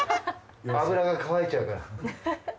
油が乾いちゃうから。